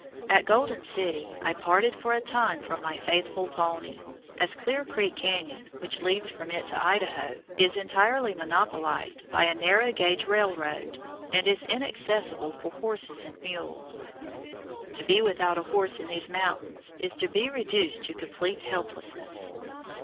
At Golden City I parted for a time from my faithful pony, as Clear Creek Canyon, which leads from it to Idaho, is entirely monopolized by a narrow gauge railroad, and is inaccessible for horses or mules. To be without a horse in these mountains is to be reduced to complete helplessness.